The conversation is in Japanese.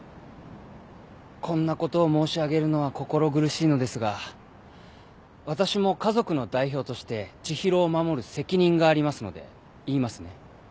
こんなことを申し上げるのは心苦しいのですが私も家族の代表として知博を守る責任がありますので言いますね。